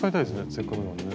せっかくなんでね。